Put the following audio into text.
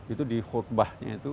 itu di khutbahnya itu